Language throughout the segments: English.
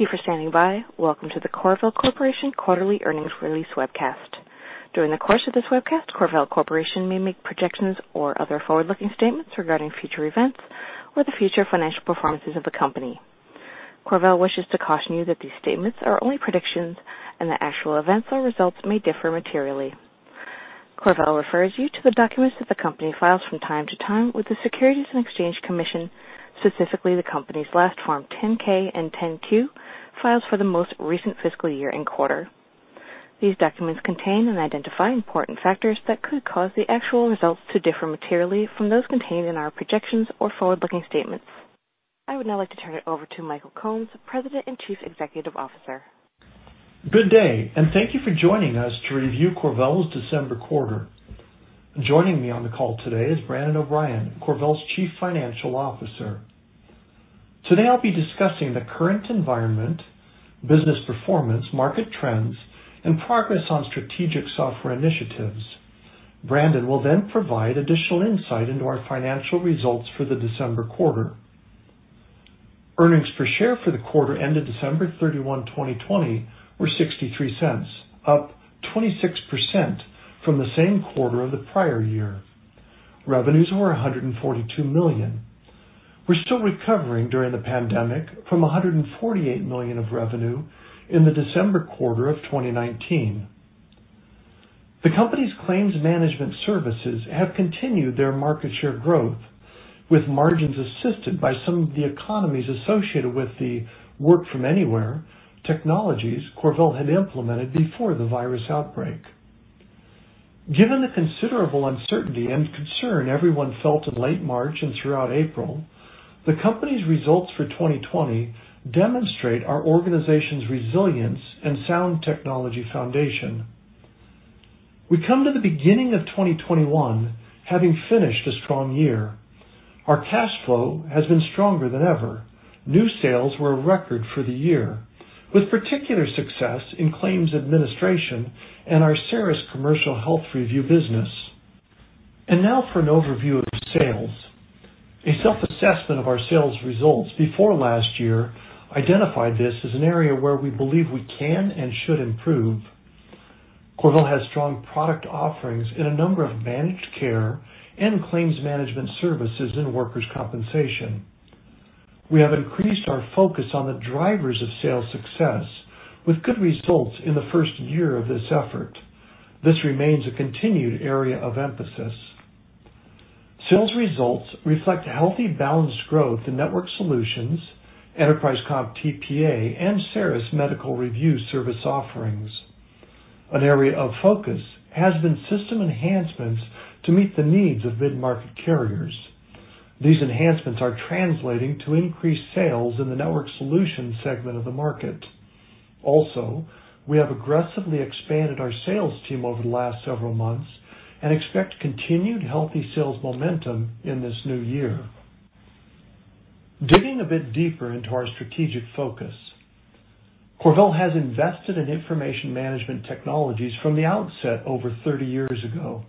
Thank you for standing by. Welcome to the CorVel Corporation quarterly earnings release webcast. During the course of this webcast, CorVel Corporation may make projections or other forward-looking statements regarding future events or the future financial performances of the company. CorVel wishes to caution you that these statements are only predictions, and that actual events or results may differ materially. CorVel refers you to the documents that the company files from time to time with the Securities and Exchange Commission, specifically the company's last Form 10-K and 10-Q files for the most recent fiscal year and quarter. These documents contain and identify important factors that could cause the actual results to differ materially from those contained in our projections or forward-looking statements. I would now like to turn it over to Michael Combs, President and Chief Executive Officer. Good day. Thank you for joining us to review CorVel's December quarter. Joining me on the call today is Brandon O'Brien, CorVel's Chief Financial Officer. Today, I'll be discussing the current environment, business performance, market trends, and progress on strategic software initiatives. Brandon will then provide additional insight into our financial results for the December quarter. Earnings per share for the quarter ended December 31, 2020, were $0.63, up 26% from the same quarter of the prior year. Revenues were $142 million. We're still recovering during the pandemic from $148 million of revenue in the December quarter of 2019. The company's claims management services have continued their market share growth, with margins assisted by some of the economies associated with the work-from-anywhere technologies CorVel had implemented before the virus outbreak. Given the considerable uncertainty and concern everyone felt in late March and throughout April, the company's results for 2020 demonstrate our organization's resilience and sound technology foundation. We come to the beginning of 2021 having finished a strong year. Our cash flow has been stronger than ever. New sales were a record for the year, with particular success in claims administration and our CERiS Commercial Health Review business. Now for an overview of sales. A self-assessment of our sales results before last year identified this as an area where we believe we can and should improve. CorVel has strong product offerings in a number of managed care and claims management services in workers' compensation. We have increased our focus on the drivers of sales success with good results in the first year of this effort. This remains a continued area of emphasis. Sales results reflect healthy, balanced growth in Network Solutions, Enterprise Comp TPA, and CERiS Medical Review service offerings. An area of focus has been system enhancements to meet the needs of mid-market carriers. These enhancements are translating to increased sales in the Network Solutions segment of the market. We have aggressively expanded our sales team over the last several months and expect continued healthy sales momentum in this new year. Digging a bit deeper into our strategic focus, CorVel has invested in information management technologies from the outset over 30 years ago.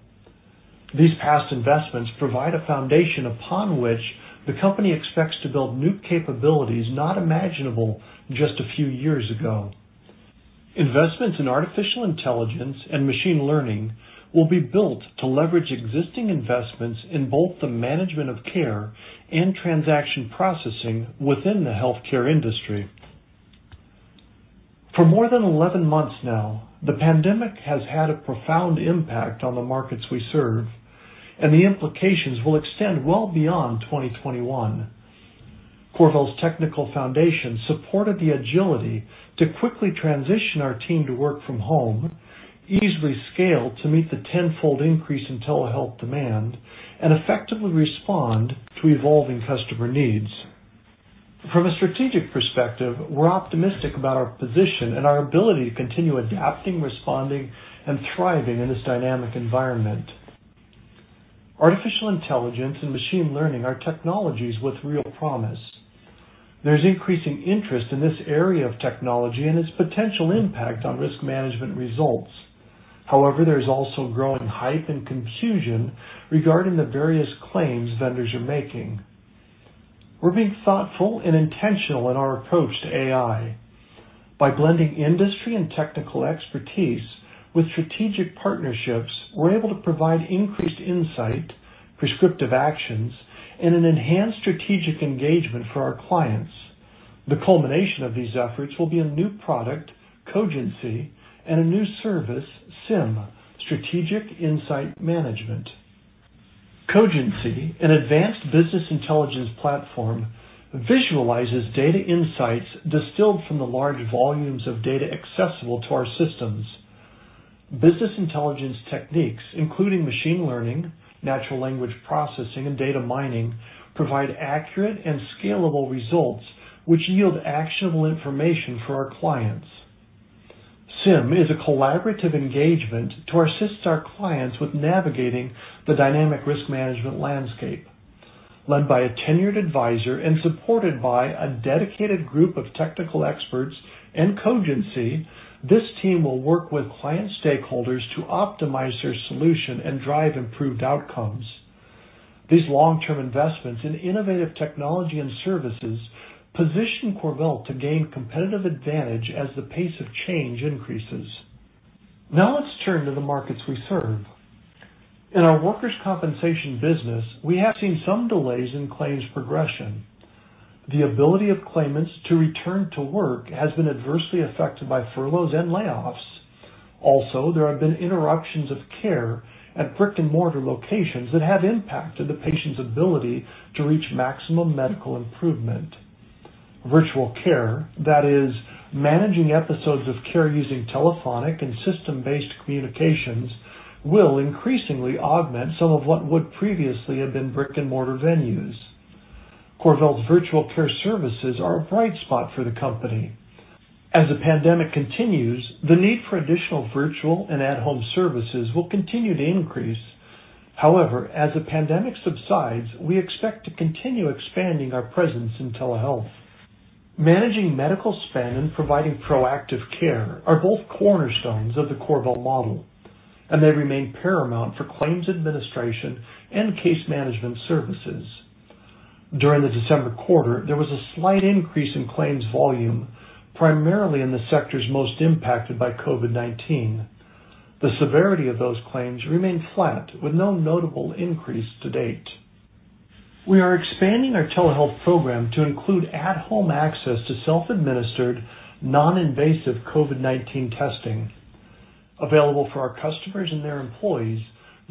These past investments provide a foundation upon which the company expects to build new capabilities not imaginable just a few years ago. Investments in artificial intelligence and machine learning will be built to leverage existing investments in both the management of care and transaction processing within the healthcare industry. For more than 11 months now, the pandemic has had a profound impact on the markets we serve, and the implications will extend well beyond 2021. CorVel's technical foundation supported the agility to quickly transition our team to work from home, easily scale to meet the tenfold increase in telehealth demand, and effectively respond to evolving customer needs. From a strategic perspective, we're optimistic about our position and our ability to continue adapting, responding, and thriving in this dynamic environment. Artificial intelligence and machine learning are technologies with real promise. There's increasing interest in this area of technology and its potential impact on risk management results. However, there's also growing hype and confusion regarding the various claims vendors are making. We're being thoughtful and intentional in our approach to AI. By blending industry and technical expertise with strategic partnerships, we're able to provide increased insight, prescriptive actions, and an enhanced strategic engagement for our clients. The culmination of these efforts will be a new product, Cogency, and a new service, SIM, Strategic Insight Management. Cogency, an advanced business intelligence platform, visualizes data insights distilled from the large volumes of data accessible to our systems. Business intelligence techniques, including machine learning, natural language processing, and data mining, provide accurate and scalable results which yield actionable information for our clients. SIM is a collaborative engagement to assist our clients with navigating the dynamic risk management landscape. Led by a tenured advisor and supported by a dedicated group of technical experts and Cogency, this team will work with client stakeholders to optimize their solution and drive improved outcomes. These long-term investments in innovative technology and services position CorVel to gain competitive advantage as the pace of change increases. Let's turn to the markets we serve. In our workers' compensation business, we have seen some delays in claims progression. The ability of claimants to return to work has been adversely affected by furloughs and layoffs. There have been interruptions of care at brick-and-mortar locations that have impacted the patient's ability to reach maximum medical improvement. Virtual care, that is, managing episodes of care using telephonic and system-based communications, will increasingly augment some of what would previously have been brick-and-mortar venues. CorVel's virtual care services are a bright spot for the company. As the pandemic continues, the need for additional virtual and at-home services will continue to increase. As the pandemic subsides, we expect to continue expanding our presence in telehealth. Managing medical spend and providing proactive care are both cornerstones of the CorVel model, and they remain paramount for claims administration and case management services. During the December quarter, there was a slight increase in claims volume, primarily in the sectors most impacted by COVID-19. The severity of those claims remained flat, with no notable increase to date. We are expanding our telehealth program to include at-home access to self-administered, non-invasive COVID-19 testing. Available for our customers and their employees,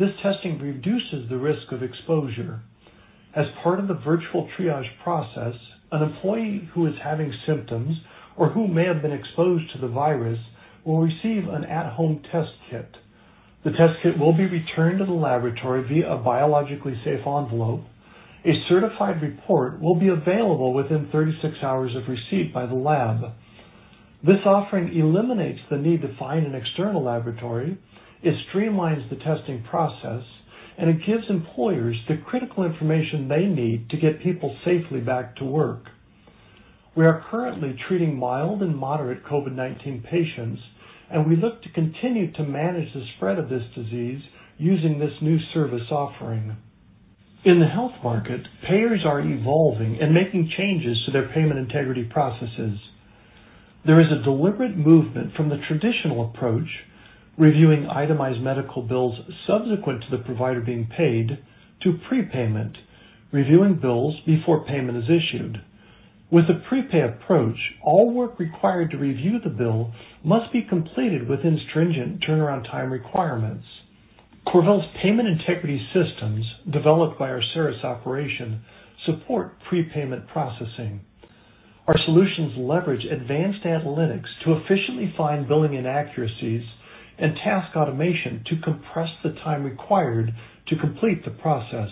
this testing reduces the risk of exposure. As part of the virtual triage process, an employee who is having symptoms or who may have been exposed to the virus will receive an at-home test kit. The test kit will be returned to the laboratory via a biologically safe envelope. A certified report will be available within 36 hours of receipt by the lab. This offering eliminates the need to find an external laboratory, it streamlines the testing process, and it gives employers the critical information they need to get people safely back to work. We are currently treating mild and moderate COVID-19 patients, and we look to continue to manage the spread of this disease using this new service offering. In the health market, payers are evolving and making changes to their payment integrity processes. There is a deliberate movement from the traditional approach, reviewing itemized medical bills subsequent to the provider being paid, to prepayment, reviewing bills before payment is issued. With the prepay approach, all work required to review the bill must be completed within stringent turnaround time requirements. CorVel's payment integrity systems, developed by our CERiS operation, support prepayment processing. Our solutions leverage advanced analytics to efficiently find billing inaccuracies and task automation to compress the time required to complete the process.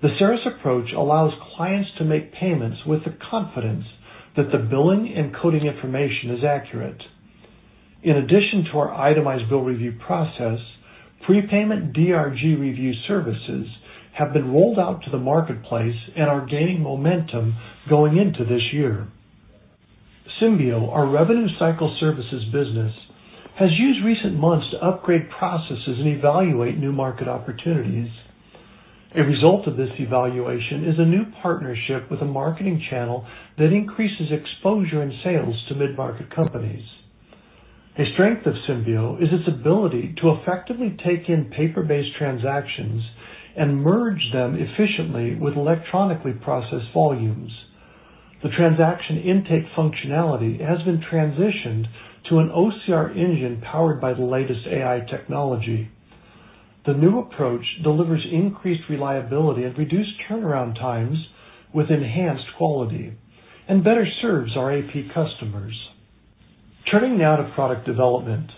The CERiS approach allows clients to make payments with the confidence that the billing and coding information is accurate. In addition to our itemized bill review process, prepayment DRG review services have been rolled out to the marketplace and are gaining momentum going into this year. Symbeo, our revenue cycle services business, has used recent months to upgrade processes and evaluate new market opportunities. A result of this evaluation is a new partnership with a marketing channel that increases exposure and sales to mid-market companies. A strength of Symbeo is its ability to effectively take in paper-based transactions and merge them efficiently with electronically processed volumes. The transaction intake functionality has been transitioned to an OCR engine powered by the latest AI technology. The new approach delivers increased reliability and reduced turnaround times with enhanced quality, and better serves our AP customers. Turning now to product development.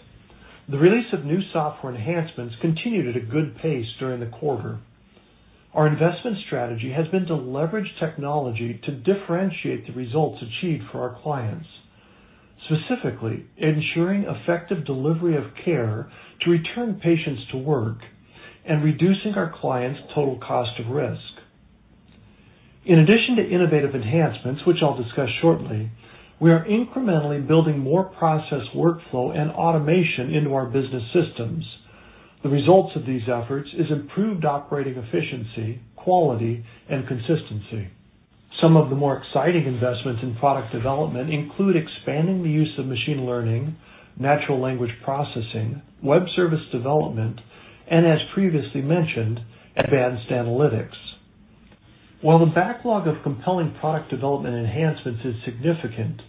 The release of new software enhancements continued at a good pace during the quarter. Our investment strategy has been to leverage technology to differentiate the results achieved for our clients, specifically ensuring effective delivery of care to return patients to work and reducing our clients' total cost of risk. In addition to innovative enhancements, which I'll discuss shortly, we are incrementally building more process workflow and automation into our business systems. The results of these efforts is improved operating efficiency, quality, and consistency. Some of the more exciting investments in product development include expanding the use of machine learning, natural language processing, web service development, and as previously mentioned, advanced analytics. While the backlog of compelling product development enhancements is significant,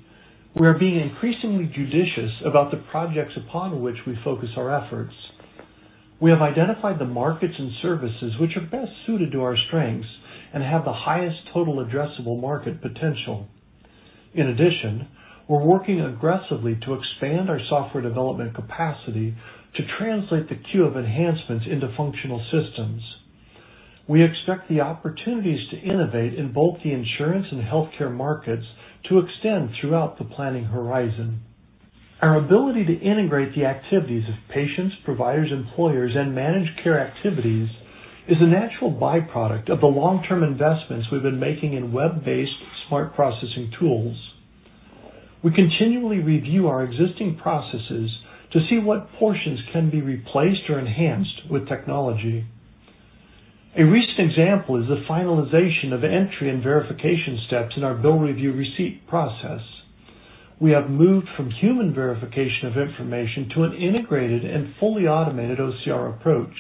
we are being increasingly judicious about the projects upon which we focus our efforts. We have identified the markets and services which are best suited to our strengths and have the highest total addressable market potential. In addition, we're working aggressively to expand our software development capacity to translate the queue of enhancements into functional systems. We expect the opportunities to innovate in both the insurance and healthcare markets to extend throughout the planning horizon. Our ability to integrate the activities of patients, providers, employers, and managed care activities is a natural byproduct of the long-term investments we've been making in web-based smart processing tools. We continually review our existing processes to see what portions can be replaced or enhanced with technology. A recent example is the finalization of entry and verification steps in our bill review receipt process. We have moved from human verification of information to an integrated and fully automated OCR approach.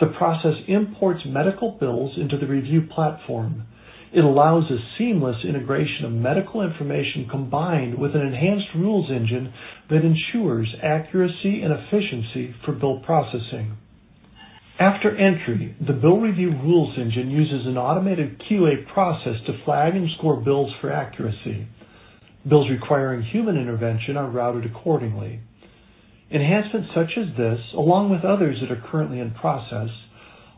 The process imports medical bills into the review platform. It allows a seamless integration of medical information, combined with an enhanced rules engine that ensures accuracy and efficiency for bill processing. After entry, the bill review rules engine uses an automated QA process to flag and score bills for accuracy. Bills requiring human intervention are routed accordingly. Enhancements such as this, along with others that are currently in process,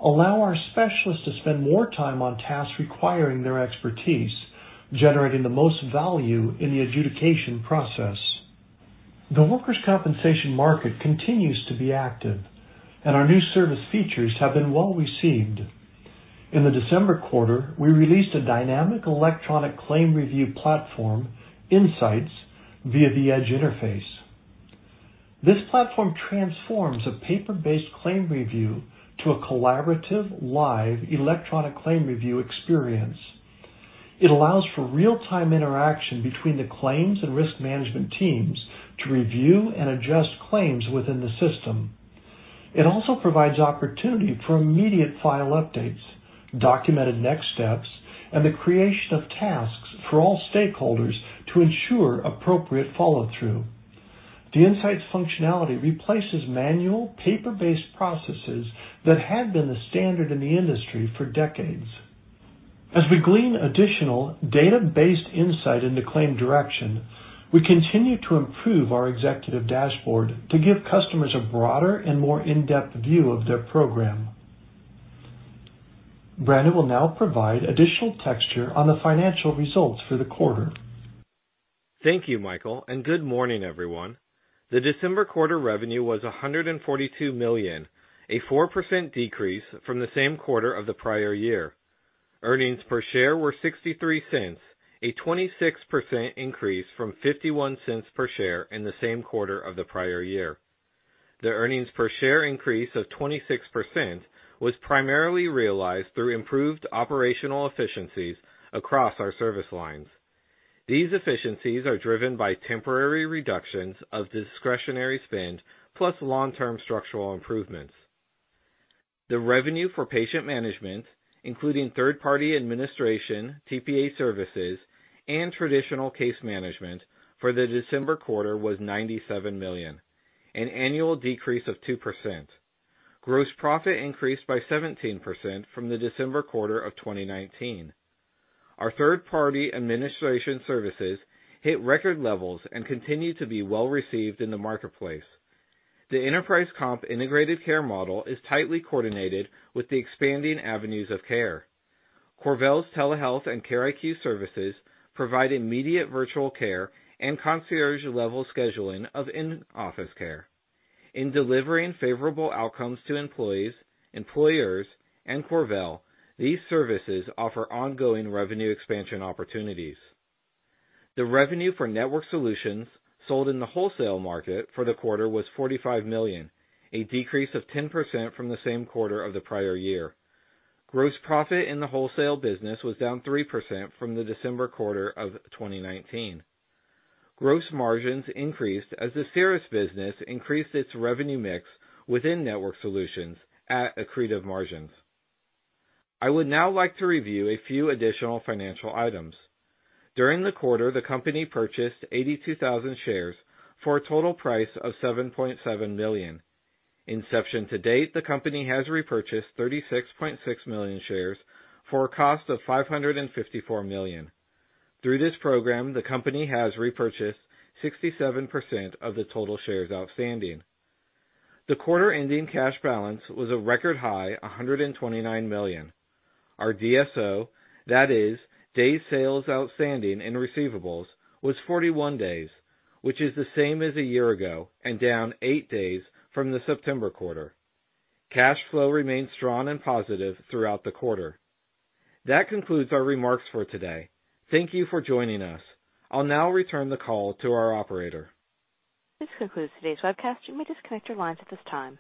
allow our specialists to spend more time on tasks requiring their expertise, generating the most value in the adjudication process. The workers' compensation market continues to be active, and our new service features have been well-received. In the December quarter, we released a dynamic electronic claim review platform, Insights, via the Edge interface. This platform transforms a paper-based claim review to a collaborative live electronic claim review experience. It allows for real-time interaction between the claims and risk management teams to review and adjust claims within the system. It also provides opportunity for immediate file updates, documented next steps, and the creation of tasks for all stakeholders to ensure appropriate follow-through. The Insights functionality replaces manual paper-based processes that had been the standard in the industry for decades. As we glean additional data-based insight into claim direction, we continue to improve our executive dashboard to give customers a broader and more in-depth view of their program. Brandon will now provide additional texture on the financial results for the quarter. Thank you, Michael, and good morning, everyone. The December quarter revenue was $142 million, a 4% decrease from the same quarter of the prior year. Earnings per share were $0.63, a 26% increase from $0.51 per share in the same quarter of the prior year. The earnings per share increase of 26% was primarily realized through improved operational efficiencies across our service lines. These efficiencies are driven by temporary reductions of discretionary spend plus long-term structural improvements. The revenue for patient management, including third-party administration, TPA services, and traditional case management for the December quarter was $97 million, an annual decrease of 2%. Gross profit increased by 17% from the December quarter of 2019. Our third-party administration services hit record levels and continue to be well-received in the marketplace. The Enterprise Comp integrated care model is tightly coordinated with the expanding avenues of care. CorVel's telehealth and CareIQ services provide immediate virtual care and concierge level scheduling of in-office care. In delivering favorable outcomes to employees, employers, and CorVel, these services offer ongoing revenue expansion opportunities. The revenue for Network Solutions sold in the wholesale market for the quarter was $45 million, a decrease of 10% from the same quarter of the prior year. Gross profit in the wholesale business was down 3% from the December quarter of 2019. Gross margins increased as the CERiS business increased its revenue mix within Network Solutions at accretive margins. I would now like to review a few additional financial items. During the quarter, the company purchased 82,000 shares for a total price of $7.7 million. Inception to date, the company has repurchased 36.6 million shares for a cost of $554 million. Through this program, the company has repurchased 67% of the total shares outstanding. The quarter-ending cash balance was a record high $129 million. Our DSO, that is days sales outstanding in receivables, was 41 days, which is the same as a year ago and down eight days from the September quarter. Cash flow remained strong and positive throughout the quarter. That concludes our remarks for today. Thank you for joining us. I'll now return the call to our operator. This concludes today's webcast. You may disconnect your lines at this time.